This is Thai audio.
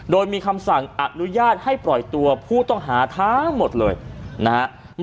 โดยมีคำสั่งอนุญาตให้ปล่อยตัวผู้ต้องหาทั้งหมดเลยนะครับ